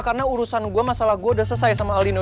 karena urusan gue masalah gue udah selesai sama aldino